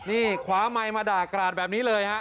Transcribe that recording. นี่ขวาไมค์มาด่ากราดแบบนี้เลยฮะ